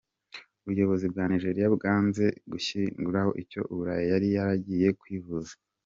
Ubuyobozi bwa Nigeria bwanze guhishura icyo Buhari yari yaragiye kwivuza.